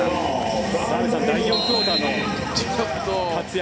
澤部さん、第４クオーターの活躍